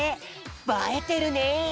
ばえてるね！